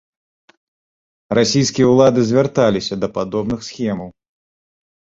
Расійскія ўлады звярталіся да падобных схемаў.